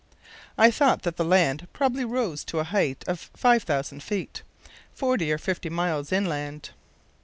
I thought that the land probably rose to a height of 5000 ft. forty or fifty miles inland.